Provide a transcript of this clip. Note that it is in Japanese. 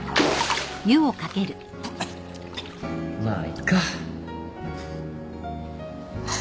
まあいっか。